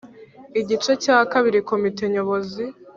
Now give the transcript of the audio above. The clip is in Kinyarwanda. Igice cya kabiri komite nyobozi